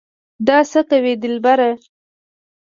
دا څه کوې دلبره